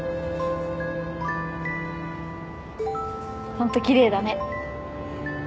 ホント奇麗だね。